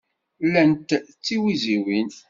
Llant-d d tiwiziwin.